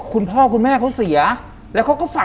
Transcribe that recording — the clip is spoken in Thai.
คุณลุงกับคุณป้าสองคนนี้เป็นใคร